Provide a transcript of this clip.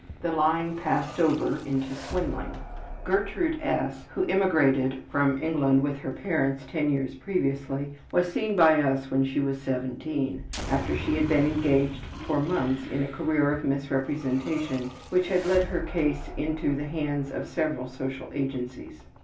The lying passed over into swindling. Gertrude S., who immigrated from England with her parents ten years previously, was seen by us when she was 17, after she had been engaged for months in a career of misrepresentation which had led her case into the hands of several social agencies.